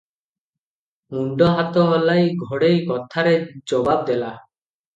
ମୁଣ୍ଡ ହାତ ହଲାଇ ଘଡ଼େଇ କଥାରେ ଜବାବ ଦେଲା ।